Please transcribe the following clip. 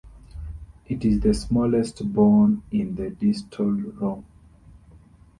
It is the smallest bone in the distal row.